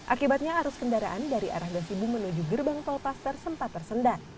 akibatnya arus kendaraan dari arah gasibu menuju gerbang tolpaster sempat tersendat